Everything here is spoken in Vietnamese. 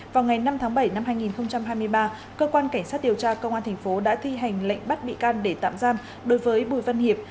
vào ngày năm tháng bảy năm hai nghìn hai mươi ba cơ quan cảnh sát điều tra công an thành phố đã thi hành lệnh bắt bị can để tạm giam đối với bùi văn hiệp